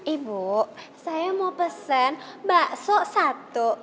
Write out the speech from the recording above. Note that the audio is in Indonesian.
ibu saya mau pesen bakso satu